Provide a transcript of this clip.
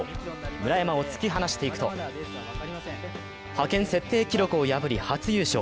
村山を突き放していくと、派遣設定記録を破り、初優勝。